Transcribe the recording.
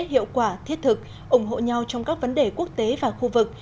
hiệu quả thiết thực ủng hộ nhau trong các vấn đề quốc tế và khu vực